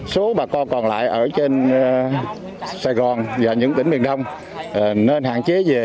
số bà con còn lại ở trên sài gòn và những tỉnh miền đông nên hạn chế về